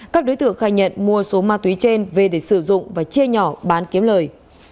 các đối tượng khai nhận mua số ma túy trên về để sử dụng và chia nhỏ bán kiếm lời